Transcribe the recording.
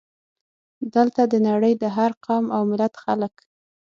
دلته د نړۍ د هر قوم او ملت خلک.